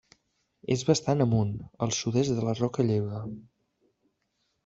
És bastant amunt, al sud-est de la Roca Lleuda.